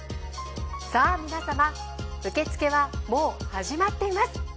さあ皆様受付はもう始まっています。